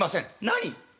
「何？